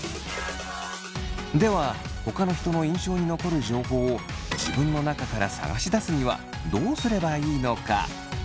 ではほかの人の印象に残る情報を自分の中から探し出すにはどうすればいいのか？